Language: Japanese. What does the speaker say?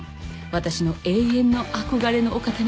私の永遠の憧れのお方に。